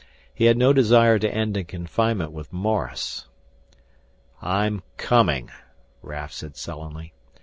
He had no desire to end in confinement with Morris. "I'm coming," Raf said sullenly.